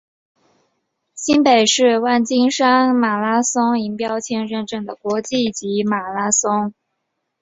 新北市万金石马拉松银标签认证的国际级马拉松。